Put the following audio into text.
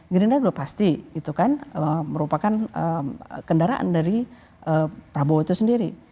gerindra sudah pasti itu kan merupakan kendaraan dari prabowo itu sendiri